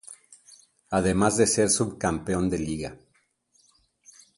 Además de ser subcampeón de liga